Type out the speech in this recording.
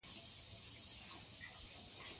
د هېواد مرکز د افغانستان د صنعت لپاره مواد برابروي.